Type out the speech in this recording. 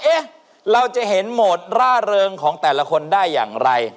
เอ๊ะเราจะเห็นโหมดร่าเริงของแต่ละคนได้อย่างไร